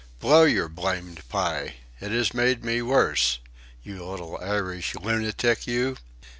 Blow your blamed pie. It has made me worse you little Irish lunatic, you!"